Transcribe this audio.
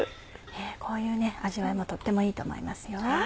こういう味わいもとってもいいと思いますよ。